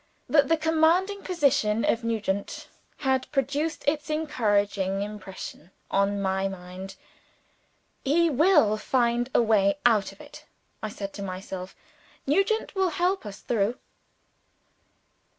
that the commanding position of Nugent had produced its encouraging impression on my mind. "He will find a way out of it," I said to myself, "Nugent will help us through!"